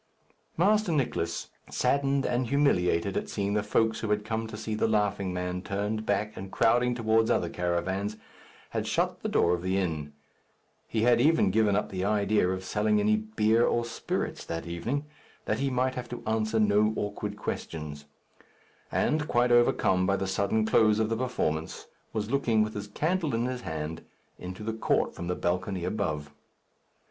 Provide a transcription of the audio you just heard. Master Nicless, saddened and humiliated at seeing the folks who had come to see "The Laughing Man" turned back and crowding towards other caravans, had shut the door of the inn. He had even given up the idea of selling any beer or spirits that evening, that he might have to answer no awkward questions; and, quite overcome by the sudden close of the performance, was looking, with his candle in his hand, into the court from the balcony above.